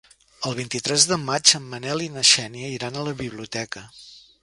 El vint-i-tres de maig en Manel i na Xènia iran a la biblioteca.